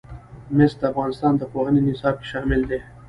مس د افغانستان د پوهنې نصاب کې شامل دي.